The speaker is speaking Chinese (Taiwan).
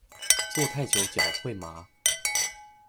坐太久會腳麻